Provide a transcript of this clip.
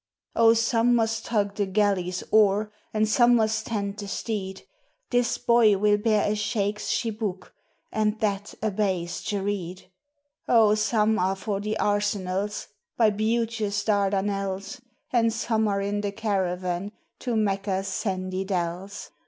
O, some must tug the galley's oar, and some must tend the steed, This boy will bear a Scheik's chibouk, and that a Bey's jerreed. O, some are for the arsenals by beauteous Dardanelles, And some are in the caravan to Mecca's sandy dells.